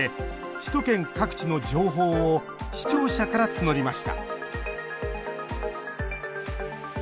首都圏各地の情報を視聴者から募りました。